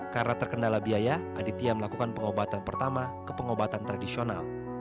karena terkendala biaya aditya melakukan pengobatan pertama ke pengobatan tradisional